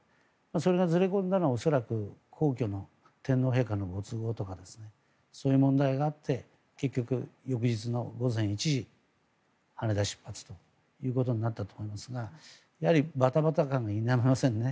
それがずれ込んだのは恐らく皇居の天皇陛下のご都合とかそういう問題があって結局、翌日の午前１時に羽田出発ということになったと思いますがバタバタ感が否めませんね。